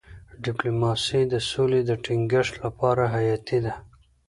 ډيپلوماسي د سولې د ټینګښت لپاره حیاتي ده.